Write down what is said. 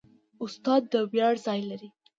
استاد د ویاړ ځای لري.